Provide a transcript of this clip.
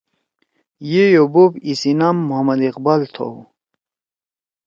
یِئی او بوپ ایِسی نام محمداقبال تھؤ